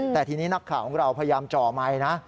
แต่ทีนี้นักข่าวของเราพยายามจ่อไมค์นะ